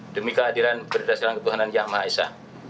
demi kehadiran berdasarkan ketuhanan yang maha esa